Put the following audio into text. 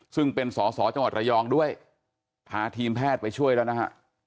ซึ่งเป็นสอสอจังหวัดระยองด้วยพาทีมแพทย์ไปช่วยแล้วนะฮะ